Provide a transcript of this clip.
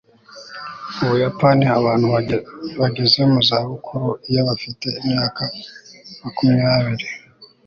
mu buyapani abantu bageze mu za bukuru iyo bafite imyaka makumyabiri